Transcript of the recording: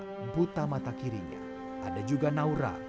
ketika dia berada di rumah dia mengambil nama yang sama dengan nama anak anak itu